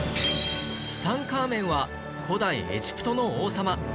ツタンカーメンは古代エジプトの王様